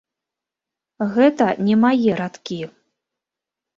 Гэта не мае радкі.